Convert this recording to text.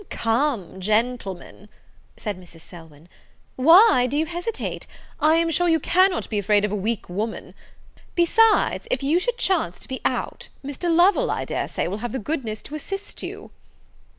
"Come, gentlemen," said Mrs. Selwyn, "why do you hesitate? I am sure you cannot be afraid of a weak woman? Besides, if you should chance to be out, Mr. Lovel, I dare say, will have the goodness to assist you."